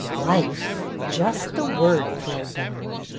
Life ! Just the word thrilled them!